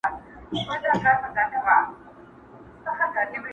چي تا نه مني داټوله ناپوهان دي٫